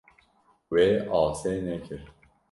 Wê asê nekir.